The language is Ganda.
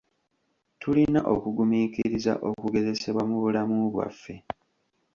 Tulina okugumiikiriza okugezesebwa mu bulamu bwaffe.